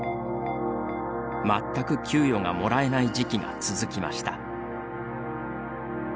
全く給与がもらえない時期が続きました。